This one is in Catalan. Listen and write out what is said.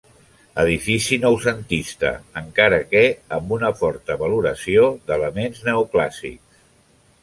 Edifici noucentista encara que amb una forta valoració d'elements neoclàssics.